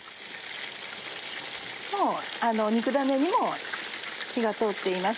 もう肉だねにも火が通っています。